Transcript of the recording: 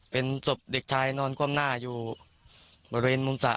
เป็นศพเด็กชายนอนคว่ำหน้าอยู่บริเวณมุมสระ